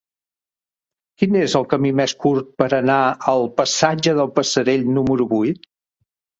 Quin és el camí més curt per anar al passatge del Passerell número vuit?